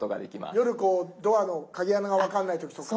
夜こうドアの鍵穴が分かんない時とか。